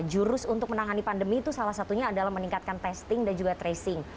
jurus untuk menangani pandemi itu salah satunya adalah meningkatkan testing dan juga tracing